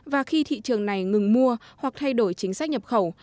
và khi thị trường này ngừng mua hoặc thay đổi chính sách nhập khẩu